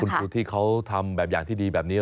คุณครูที่เขาทำแบบอย่างที่ดีแบบนี้